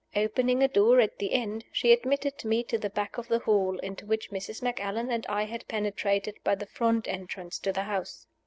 Opening a door at the end, she admitted me to the back of the hall, into which Mrs. Macallan and I had penetrated by the front entrance to the house.